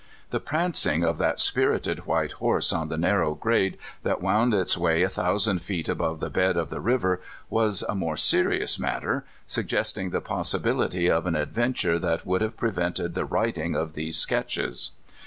The prancing of that spirited white horse on the narrow grade that wound its way a thousand feet above the bed of the river was a more serious matter, suggesting the possibility of an adventure that would have prevented the writing of these Sketches.